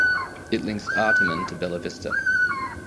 It links Artarmon to Bella Vista.